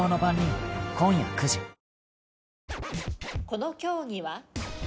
この競技は？